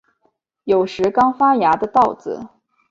有时刚发芽的稻子